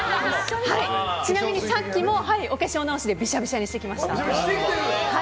ちなみにさっきもお化粧直しでびしゃびしゃにしてきました。